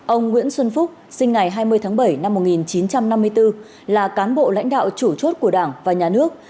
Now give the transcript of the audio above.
ông nguyễn xuân phúc sinh ngày hai mươi tháng bảy năm một nghìn chín trăm năm mươi bốn là cán bộ lãnh đạo chủ chốt của đảng và nhà nước